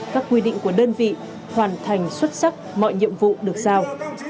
các quy định của đơn vị hoàn thành xuất sắc mọi nhiệm vụ được giao